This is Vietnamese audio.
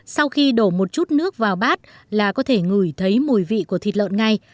sau khi đổ một chút nước vào bát là có thể ngửi thấy mùi vị của thịt lợn ngay